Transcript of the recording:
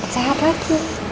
cepet sehat lagi